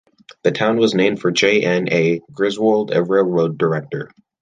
The town was named for J. N. A. Griswold, a railroad director.